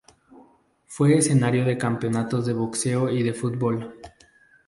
Fue escenario de campeonatos de boxeo y de fútbol.